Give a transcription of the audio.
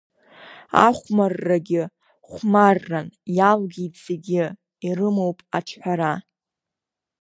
Ахәмаррагьы хәмарран, иалгеит, зегьы ирымоуп аҿҳәара.